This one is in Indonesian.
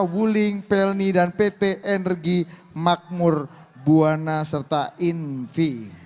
wuling pelny pt energi makmur buwana invi